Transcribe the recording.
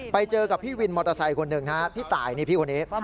ไปเจอกับพี่วินมอเตอร์ไซค์คนหนึ่งฮะพี่ตายนี่พี่คนนี้